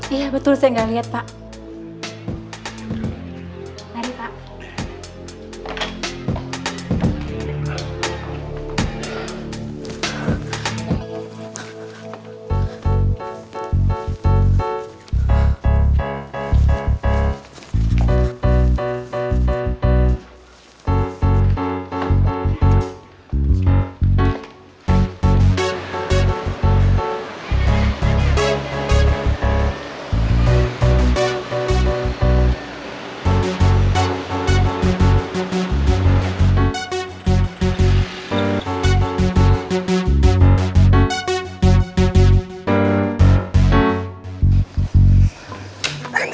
iya betul saya gak liat pak